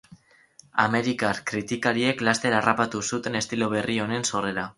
Amerikar kritikariek laster harrapatu zuten estilo berri honen sorrera.